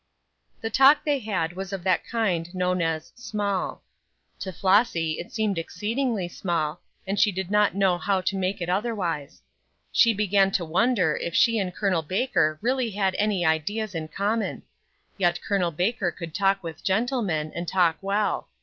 The talk they had was of that kind known as "small." To Flossy it seemed exceedingly small, and she did not know how to make it otherwise. She began to wonder if she and Col. Baker really had any ideas in common; yet Col. Baker could talk with gentlemen, and talk well.